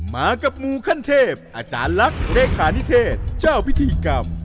มากับมูขั้นเทพอาจารย์ลักษณ์เลขานิเทศเจ้าพิธีกรรม